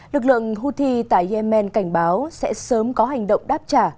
lực lượng houthi tại yemen cảnh báo sẽ sớm có hành động đáp trả